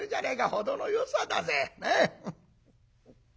程のよさだぜ」。